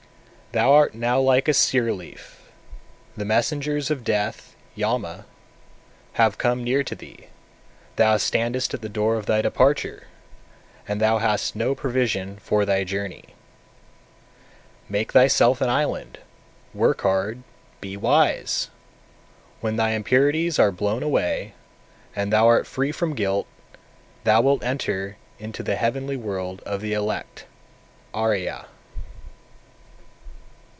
Thou art now like a sear leaf, the messengers of death (Yama) have come near to thee; thou standest at the door of thy departure, and thou hast no provision for thy journey. 236. Make thyself an island, work hard, be wise! When thy impurities are blown away, and thou art free from guilt, thou wilt enter into the heavenly world of the elect (Ariya).